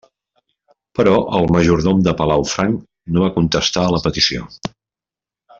Però el majordom de palau franc no va contestar a la petició.